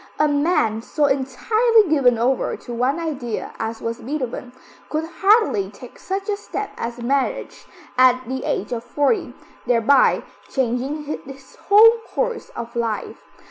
A man so entirely given over to one idea, as was Beethoven, could hardly take such a step as marriage at the age of forty, thereby changing his whole course of life.